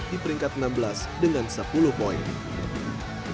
di peringkat enam belas dengan sepuluh poin